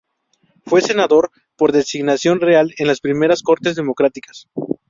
Fue senador por designación Real en las primeras cortes democráticas.